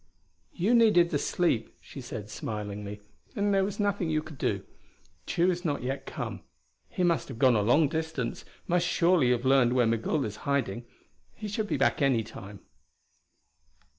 "You needed the sleep," she said smilingly; "and there was nothing you could do. Tugh is not yet come. He must have gone a long distance; must surely have learned where Migul is hiding. He should be back any time."